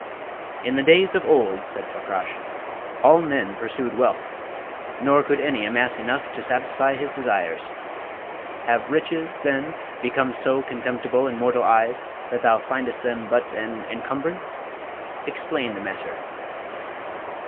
"In the days of old," said Fakrash, "all men pursued wealth; nor could any amass enough to satisfy his desires. Have riches, then, become so contemptible in mortal eyes that thou findest them but an encumbrance? Explain the matter."